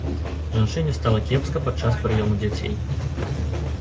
Жанчыне стала кепска падчас прыёму дзяцей.